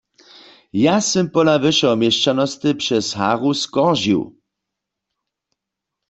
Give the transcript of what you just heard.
Ja sym pola wyšeho měšćanosty přez haru skoržił.